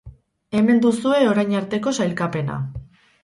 Hemen duzue orain arteko sailkapena.